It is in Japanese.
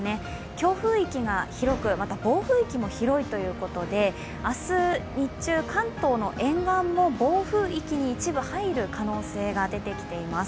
強風域が広く、また暴風域も広いということで明日、日中、関東の沿岸も暴風域に一部入る可能性が出てきています。